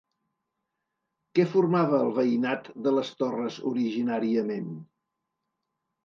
Què formava el veïnat de les Torres originàriament?